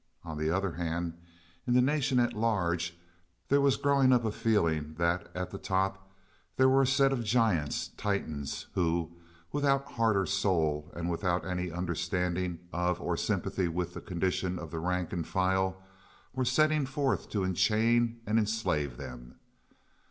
On the other hand, in the nation at large there was growing up a feeling that at the top there were a set of giants—Titans—who, without heart or soul, and without any understanding of or sympathy with the condition of the rank and file, were setting forth to enchain and enslave them.